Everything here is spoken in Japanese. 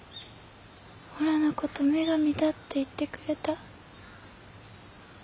おらの事女神だって言ってくれた。